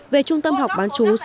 về trung tâm học bán chú